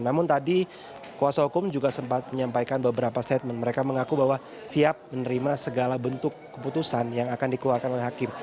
namun tadi kuasa hukum juga sempat menyampaikan beberapa statement mereka mengaku bahwa siap menerima segala bentuk keputusan yang akan dikeluarkan oleh hakim